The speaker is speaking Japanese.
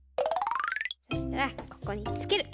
そしたらここにつける。